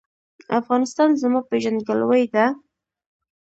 افغانستان زما پیژندګلوي ده؟